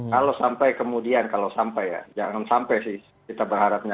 kalau sampai kemudian kalau sampai ya jangan sampai sih kita berharapnya